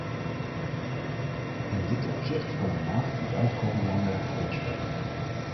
In dit opzicht kan de markt een buitengewoon belangrijke rol spelen.